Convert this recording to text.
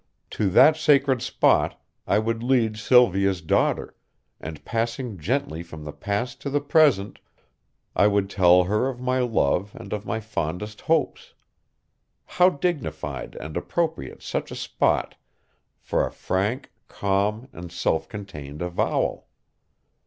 To that sacred spot I would lead Sylvia's daughter, and, passing gently from the past to the present, I would tell her of my love and of my fondest hopes. How dignified and appropriate such a spot for a frank, calm, and self contained avowal!